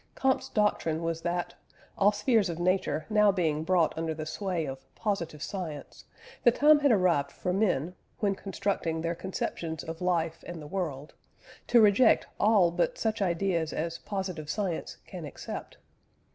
Comte's doctrine was that, all spheres of Nature now being brought under the sway of positive science, the time had arrived for men, when constructing their conceptions of life and the world, to reject all but such ideas as positive science can accept.